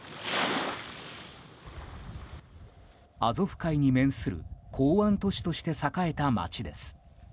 アゾフ海に面する港湾都市として栄えた街です。